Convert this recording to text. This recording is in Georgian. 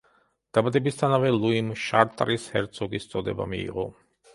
დაბადებისთანავე ლუიმ შარტრის ჰერცოგის წოდება მიიღო.